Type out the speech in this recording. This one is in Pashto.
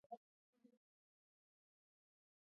نفت د افغانستان د چاپیریال د مدیریت لپاره مهم دي.